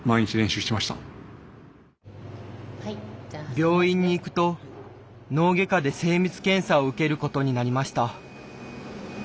病院に行くと脳外科で精密検査を受けることになりました。